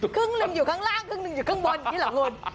ครึ่งหนึ่งอยู่ข้างล่างครึ่งหนึ่งอยู่ข้างบนที่หลังรวม